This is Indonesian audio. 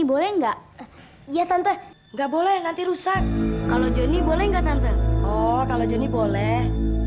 boleh nggak ya tante nggak boleh nanti rusak kalau joni boleh nggak tante oh kalau johnny boleh